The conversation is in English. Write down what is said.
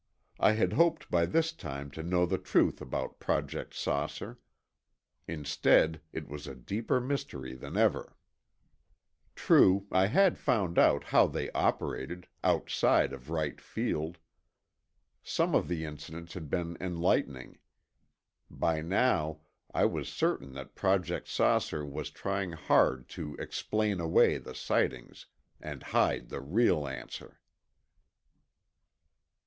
I had hoped by this time to know the truth about Project "Saucer." Instead, it was a deeper mystery than ever. True, I had found out how they operated—outside of Wright Field. Some of the incidents had been enlightening. By now, I was certain that Project "Saucer" was trying hard to explain away the sightings and hide the real answer.